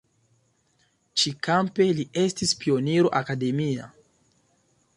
Ĉi-kampe li estis pioniro akademia.